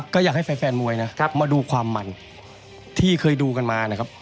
ก็อยากให้แฟนมวยนะครับมาดูความมันที่เคยดูกันมานะครับ